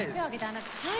はい。